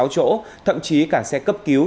một mươi sáu chỗ thậm chí cả xe cấp cứu